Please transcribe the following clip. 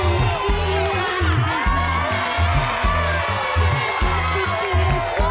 yang bobek aja arief